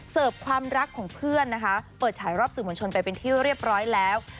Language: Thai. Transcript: ความรักของเพื่อนนะคะเปิดฉายรอบสื่อมวลชนไปเป็นที่เรียบร้อยแล้ว